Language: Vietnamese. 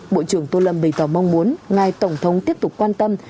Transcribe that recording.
bộ trưởng tô lâm bày tỏ mong muốn ngài tổng thống tiếp tục quan tâm